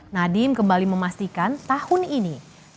nadiem kembali memastikan tahun ini